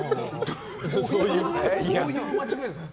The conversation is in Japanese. どういう間違いですか。